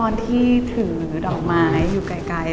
ที่ถือดอกไม้อยู่ไกล